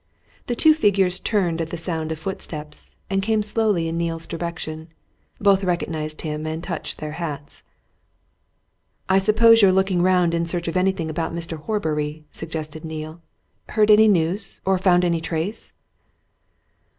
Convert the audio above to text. The two figures turned at the sound of footsteps, and came slowly in Neale's direction. Both recognized him and touched their hats. "I suppose you're looking round in search of anything about Mr. Horbury?" suggested Neale. "Heard any news or found any trace?"